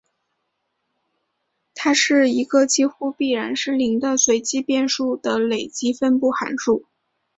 它是一个几乎必然是零的随机变数的累积分布函数。